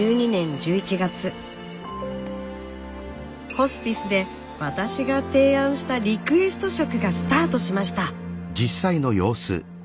ホスピスで私が提案した「リクエスト食」がスタートしました。